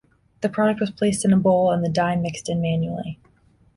The product was placed in a bowl and the dye mixed in manually.